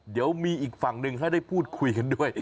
เดี๋ยวมีอีกฝั่งหนึ่งให้ได้พูดคุยกันด้วย